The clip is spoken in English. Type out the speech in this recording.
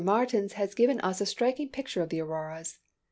Martins has given us a striking picture of the auroras.